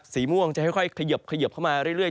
สีม่วงจะค่อยเขยิบเข้ามาเรื่อย